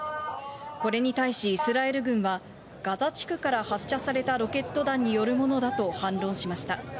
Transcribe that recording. これに対しイスラエル軍は、ガザ地区から発射されたロケット弾によるものだと反論しました。